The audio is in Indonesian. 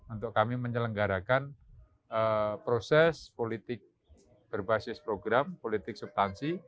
untuk kami menyelenggarakan proses politik berbasis program politik subtansi